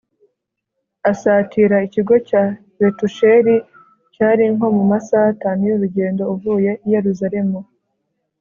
asatira ikigo cya betishuri cyari nko mu masaha atanu y'urugendo uvuye i yeruzalemu